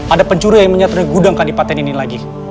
ada pencuri yang menyatakan gudang kandipaten ini lagi